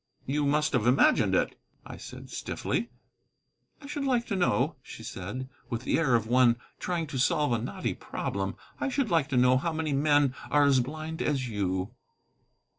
"You must have imagined it," I said stiffly. "I should like to know," she said, with the air of one trying to solve a knotty problem, "I should like to know how many men are as blind as you."